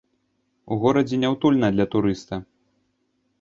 У горадзе няўтульна для турыста.